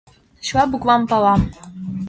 Чыла буквам пала.